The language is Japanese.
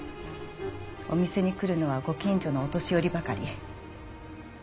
お店に来るのはご近所のお年寄りばかり。